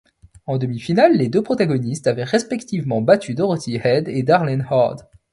En demi-finale, les deux protagonistes avaient respectivement battu Dorothy Head et Darlene Hard.